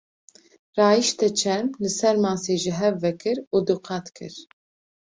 Rahişte çerm, li ser masê ji hev vekir û du qat kir.